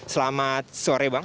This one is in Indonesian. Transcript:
selamat sore bang